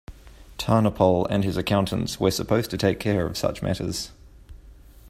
Tarnopol and his accountants were supposed to take care of such matters.